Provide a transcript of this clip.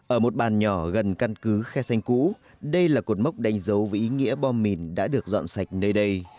ở một bàn nhỏ gần căn cứ khe xanh cũ đây là cột mốc đánh dấu về ý nghĩa bom mìn đã được dọn sạch nơi đây